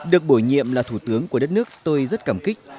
được bổ nhiệm là thủ tướng của đất nước tôi rất cảm kích